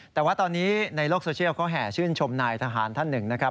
แต่ว่าตอนนี้ในโลกโซเชียลเขาแห่ชื่นชมนายทหารท่านหนึ่งนะครับ